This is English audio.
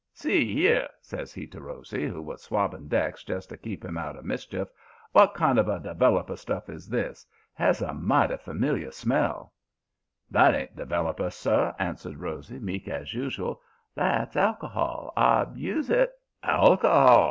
"'See 'ere,' says he to Rosy, who was swabbing decks just to keep him out of mischief, 'w'at kind of a developer stuff is this? It has a mighty familiar smell.' "'That ain't developer, sir,' answers Rosy, meek as usual. 'That's alcohol. I use it ' "'Alcohol!'